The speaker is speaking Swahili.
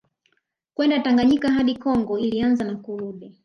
kwenda Tanganyika hadi Kongo ilianza na kurudi